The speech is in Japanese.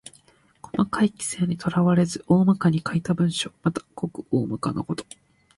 細かい規則にとらわれず大らかに書いた文章。また、ごく大まかなこと。